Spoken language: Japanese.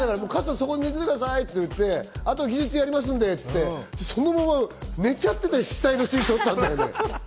そこに寝ててくださいって言って、あと技術がやりますんでって言って、そのまま寝ちゃって死体のシーンを撮ったんだよね。